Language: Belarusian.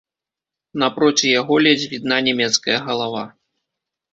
Напроці яго ледзь відна нямецкая галава.